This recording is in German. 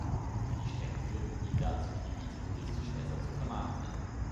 Die Streckenführung dient dazu, die Gebiete touristisch besser zu vermarkten.